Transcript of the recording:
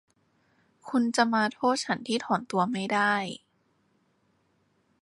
คุณจะมาโทษฉันที่ถอนตัวไม่ได้